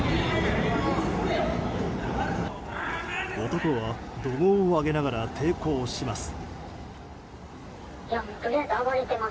男は怒号を上げながら抵抗します。